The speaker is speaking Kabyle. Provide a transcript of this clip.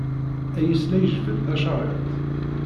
Ayis la ijebbed tacariḍt.